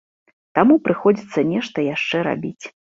Таму прыходзіцца нешта яшчэ рабіць.